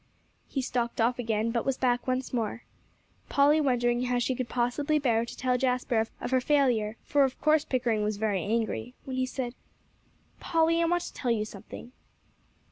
He stalked off again, but was back once more, Polly wondering how she could possibly bear to tell Jasper of her failure, for of course Pickering was very angry; when he said, "Polly, I want to tell you something."